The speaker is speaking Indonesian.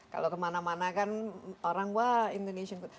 kalau kemana mana kan orang wah indonesian food